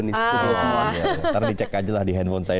nanti dicek aja lah di handphone saya